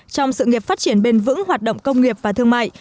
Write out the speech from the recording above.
trong sự nghiệp phát triển bền vững hoạt động công nghiệp và thương mại